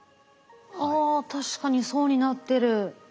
あ確かに層になってる。